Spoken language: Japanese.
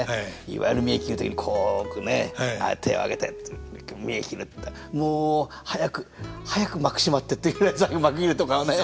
いわゆる見得切る時にこう置くね手を上げて見得切るっていったらもう早く早く幕閉まってっていうぐらい最後幕切れとかはね。